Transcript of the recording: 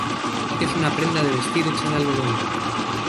Es una prenda de vestir hecha de algodón.